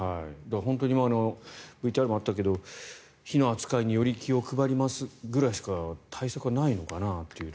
本当にＶＴＲにもあったけど火の扱いにより気を配りますぐらいしか対策はないのかなという。